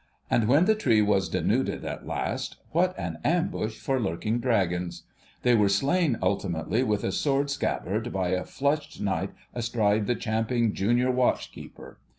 And when the tree was denuded at last, what an ambush for lurking dragons! They were slain ultimately with a sword scabbard by a flushed Knight astride the champing Junior Watch keeper.